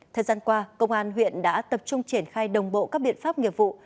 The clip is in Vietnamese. thời gian qua công an huyện đã tập trung triển khai đồng bộ các biện pháp nghiệp vụ